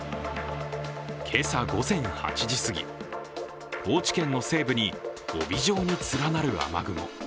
今朝午前８時過ぎ、高知県の西部に帯状に連なる雨雲。